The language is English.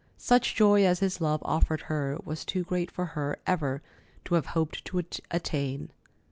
Such joy as his love offered her was too great for her ever to have hoped to attain.